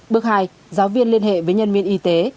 bước hai giáo viên liên hệ với nhân viên y tế